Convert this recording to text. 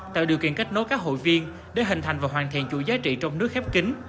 tạo điều kiện kết nối các hội viên để hình thành và hoàn thiện chủ giá trị trong nước khép kính